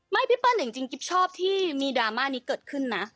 พี่เปิ้ลจริงกิ๊บชอบที่มีดราม่านี้เกิดขึ้นนะ